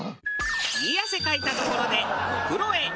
いい汗かいたところでお風呂へ。